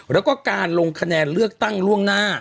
แล้วก็การลงคะแนนเลือกตั้งล่วงหน้า